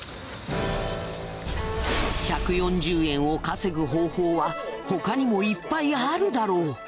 １４０円を稼ぐ方法は他にもいっぱいあるだろう。